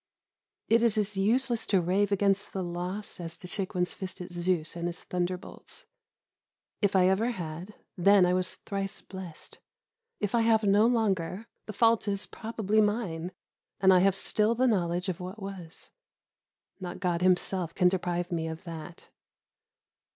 It is as useless to rave against the loss, as to shake one's fist at Zeus and his thunderbolts. If I ever had, then I was thrice blessed. If I have no longer, the fault is probably mine, and I have still the knowledge of what was. Not God Himself can deprive me of that.